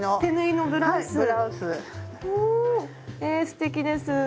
えすてきです。